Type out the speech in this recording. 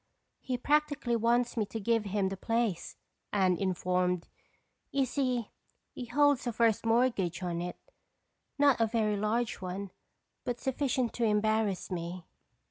"He practically wants me to give him the place," Anne informed. "You see, he holds a first mortgage on it—not a very large one but sufficient to embarrass me.